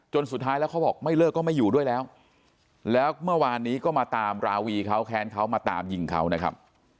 สุดท้ายแล้วเขาบอกไม่เลิกก็ไม่อยู่ด้วยแล้วแล้วเมื่อวานนี้ก็มาตามราวีเขาแค้นเขามาตามยิงเขานะครับ